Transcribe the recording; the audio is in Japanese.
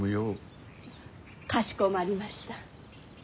かしこまりました。